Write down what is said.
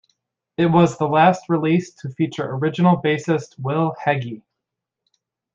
It was the last release to feature original bassist Will Heggie.